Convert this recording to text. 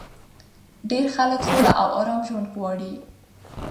ډېری خلک سوله او ارام ژوند غواړي